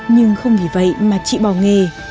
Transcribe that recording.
nhưng không vì vậy mà chị bỏ nghề